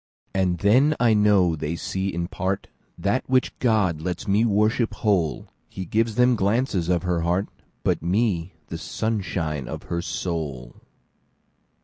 And then I know they see in partThat which God lets me worship whole:He gives them glances of her heart, But me, the sunshine of her soul.